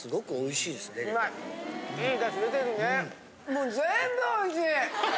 もう全部おいしい！